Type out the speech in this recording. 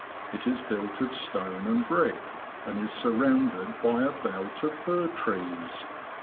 It is built of stone and brick, and is sur rounded by a belt of fir trees.